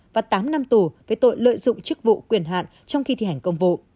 và tám năm tù về tội lợi dụng chức vụ quyền hạn trong khi thi hành công vụ